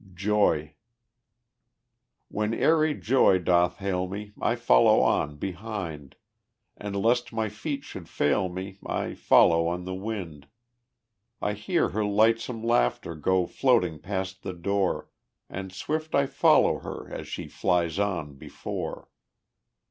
Joy When airy joy doth hail me I follow on behind, And lest my feet should fail me I follow on the wind; I hear her lightsome laughter Go floating past the door, And swift I follow after As she flies on before.